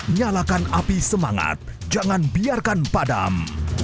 nyalakan api semangat jangan biarkan padam